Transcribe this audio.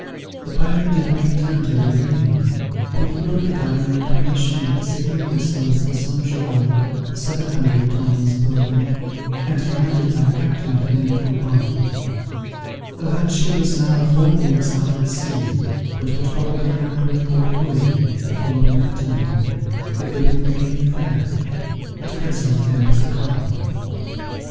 The pilot did not return till the evening, when he brought the governor information that the signalled vessel was the Saint Geran, of seven hundred tons burthen, and commanded by a captain of the name of Aubin; that she was now four leagues out at sea, but would probably anchor at Port Louis the following afternoon, if the wind became fair: at present there was a calm.